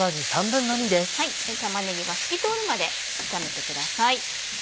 玉ねぎが透き通るまで炒めてください。